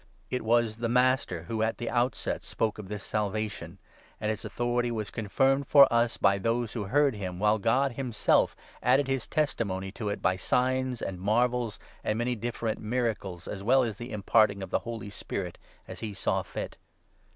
It was the Master who at the outset spoke of this Salvation, and its authority was confirmed for us by those who heard him, while God 4 himself added his testimony to it by signs, and marvels, and many different miracles, as well as by imparting the Holy Spirit as he saw fit.